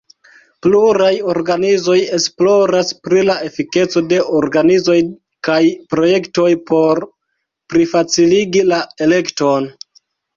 Pluraj organizoj esploras pri la efikeco de organizoj kaj projektoj por plifaciligi la elekton.